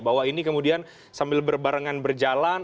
bahwa ini kemudian sambil berbarengan berjalan